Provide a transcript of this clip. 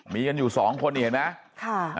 มีกันอยู่๒คนเห็นไหม